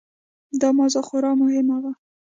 دا موضوع خورا مهمه وه.